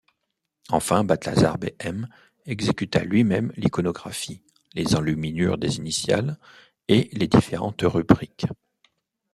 Enfin Balthasar Behem exécuta lui-même l'iconographie, les enluminures des initiales et les différentes rubriques.